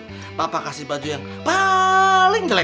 nanti papa kasih baju yang paling jelek